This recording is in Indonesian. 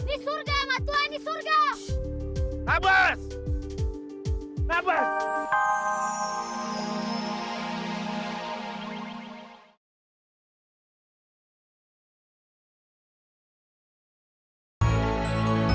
ini surga matuah ini surga